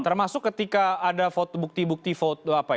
termasuk ketika ada foto bukti itu